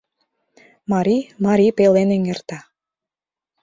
Марий марий пелен эҥерта.